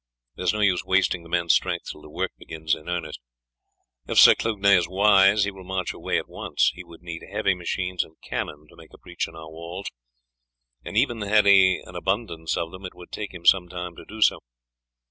There is no use wasting the men's strength till the work begins in earnest. If Sir Clugnet is wise he will march away at once. He would need heavy machines and cannon to make a breach in our walls, and even had he an abundance of them it would take him some time to do so.